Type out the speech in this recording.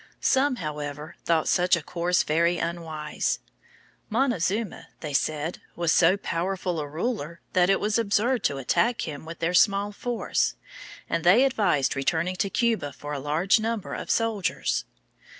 Some, however, thought such a course very unwise; Montezuma, they said, was so powerful a ruler that it was absurd to attack him with their small force, and they advised returning to Cuba for a large number of soldiers.